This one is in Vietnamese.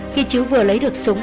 khi chữ vừa lấy được súng